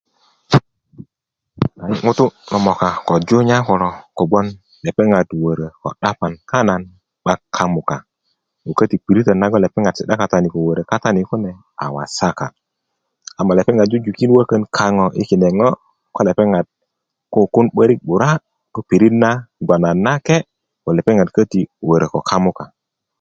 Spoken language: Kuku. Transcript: nŋut lo möka ko junya kulo kogwon lepeŋat wörö ko 'dapan kana 'bak kamukako köti piritön magon lepeŋat si'da kata ni ko wörö katani kune a wasaka ama lepeŋat jujukin wökön kaŋö i kine ŋo ko lepeŋat kukun 'börik 'bura ko pirit na bgwon a nake wo lepeŋat kö wörö ko kamuka